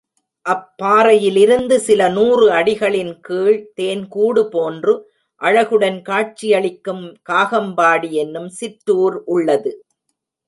அப் பாறையிலிருந்து சில நூறு அடிகளின் கீழ் தேன்கூடு போன்று அழகுடன் காட்சியளிக்கும் காகம்பாடி என்னும் சிற்றூர் உள்ளது.